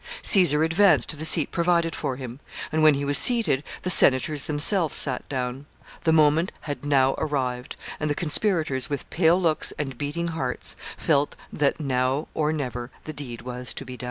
Caesar advanced to the seat provided for him, and, when he was seated, the senators themselves sat down. The moment had now arrived, and the conspirators, with pale looks and beating hearts, felt that now or never the deed was to be done.